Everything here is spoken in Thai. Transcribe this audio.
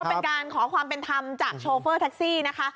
เป็นการขอความเป็นธรรมจากโชเฟอร์แท็กซี่นะคะ